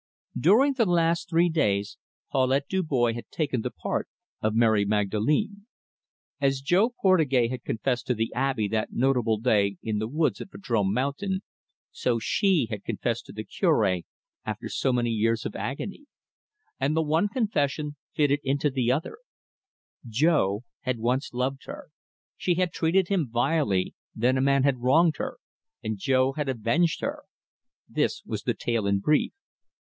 During the last three days Paulette Dubois had taken the part of Mary Magdalene. As Jo Portugais had confessed to the Abbe that notable day in the woods at Vadrome Mountain, so she had confessed to the Cure after so many years of agony and the one confession fitted into the other: Jo had once loved her, she had treated him vilely, then a man had wronged her, and Jo had avenged her this was the tale in brief.